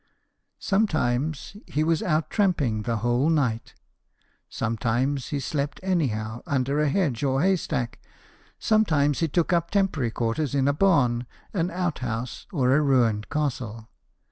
Sometimes he was out tramping the whole night ; sometimes he slept anyhow, under a hedge or haystack ; sometimes he took up temporary quarters in a barn, an outhouse, or a ruined castle.